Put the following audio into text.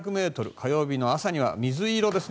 火曜日の朝には水色ですね。